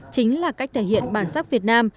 chính là cách thể hiện bản sắc việt nam